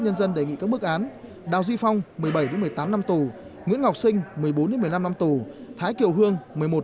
nhân dân đề nghị các bức án đào duy phong một mươi bảy một mươi tám năm tù nguyễn ngọc sinh một mươi bốn một mươi năm năm tù thái kiều hương